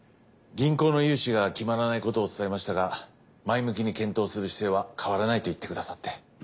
銀行の融資が決まらないことを伝えましたが前向きに検討する姿勢は変わらないと言ってくださって。